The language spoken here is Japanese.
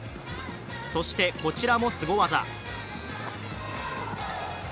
そしてこちらもスゴ技。